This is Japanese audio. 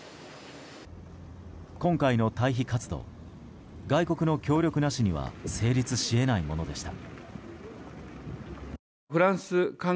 今回の退避活動外国の協力なしには成立し得ないものでした。